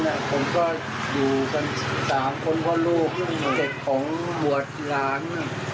เมื่อกี้นะผมก็อยู่กัน๓คนเพราะลูก๗ของบวชหลาน